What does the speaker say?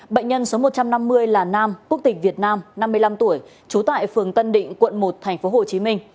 bệnh nhân số một trăm năm mươi là nam quốc tịch việt nam năm mươi năm tuổi trú tại phường tân định quận một tp hcm